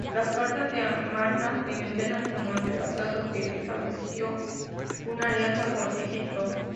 Las cartas de Amarna le mencionan como antepasado que estableció una alianza con Egipto.